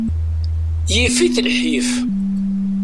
Yif-it lḥif.